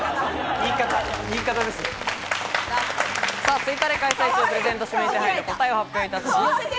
ツイッターで開催中、プレゼント指名手配、答えを発表いたします。